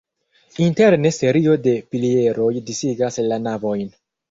Interne serio de pilieroj disigas la navojn.